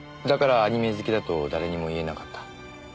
だからアニメ好きだと誰にも言えなかった？